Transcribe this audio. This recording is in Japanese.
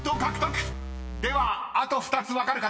［ではあと２つ分かる方］